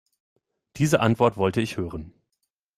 Diese Antwort wollte ich hören.